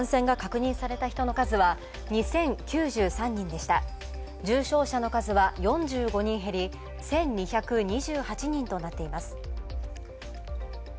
重症者の数は４５人減り１２２８人となっています。